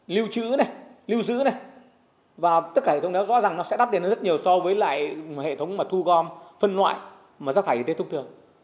lưu trữ lưu giữ và tất cả hệ thống đó rõ ràng sẽ đáp tiền rất nhiều so với hệ thống thu gom phân loại rác thải y tế thông thường